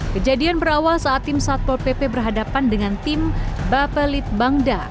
kejadian berawal saat tim satpol pp berhadapan dengan tim bapelit bangda